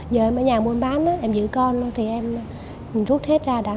giờ em ở nhà mua bán em giữ con luôn thì em rút hết ra